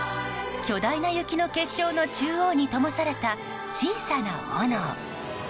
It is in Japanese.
巨大な雪の結晶の中央にともされた小さな炎。